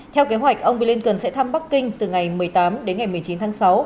theo kế hoạch ông blinken sẽ thăm bắc kinh từ ngày một mươi tám đến ngày một mươi chín tháng sáu